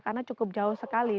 karena cukup jauh sekali